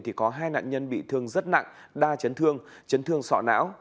trong bệnh viện có hai nạn nhân bị thương rất nặng đa chấn thương chấn thương sọ não